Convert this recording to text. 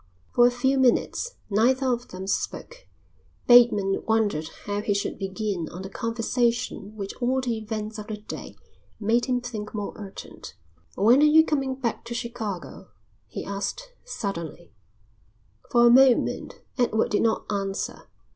For a few minutes neither of them spoke. Bateman wondered how he should begin on the conversation which all the events of the day made him think more urgent. "When are you coming back to Chicago?" he asked, suddenly. For a moment Edward did not answer.